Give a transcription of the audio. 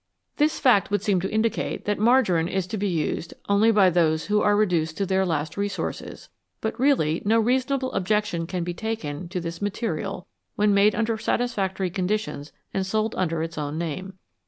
This fact would seem to indicate that margarine is to be used only by those who are reduced to their last resources, but really no reasonable objection can be taken to this material when made under satisfactory conditions and sold under its own name.